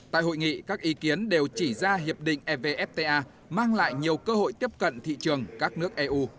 tại hội nghị các ý kiến đều chỉ ra hiệp định evfta mang lại nhiều cơ hội tiếp cận thị trường các nước eu